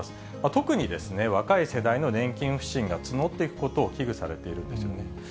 特に若い世代の年金不信が募っていくことを危惧されているんですよね。